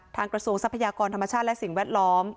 กระทรวงทรัพยากรธรรมชาติและสิ่งแวดล้อม